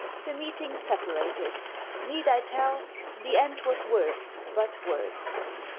The meeting separated need I tell, The end was words but words.